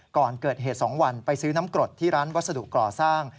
ก่อนเกิดเหตุ๒วันไปซื้อน้ำกรดที่ร้านวัสดุก่อสร้าง